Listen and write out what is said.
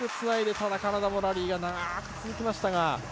ただカナダもラリーが長く続きましたが。